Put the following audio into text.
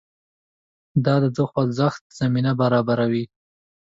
دا د خوځښت زمینه برابروي.